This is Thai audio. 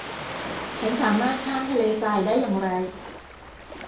ฉันสามารถข้ามทะเลทรายได้อย่างไร